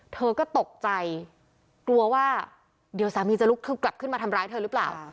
เธอก็ตกใจกลัวว่าเดี๋ยวสามีจะลุกคือกลับขึ้นมาทำร้ายเธอหรือเปล่า